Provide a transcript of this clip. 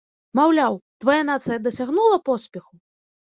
Маўляў, твая нацыя дасягнула поспеху?